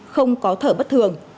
không có thở bất thường